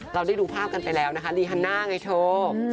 เราได้ดูภาพกันไปแล้วลีฮันน่าไงโชค